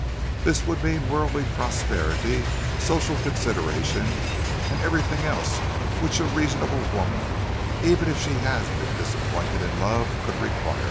This would mean worldly prosperity, social consideration, and everything else which a reasonable woman, even if she has been disappointed in love, could require.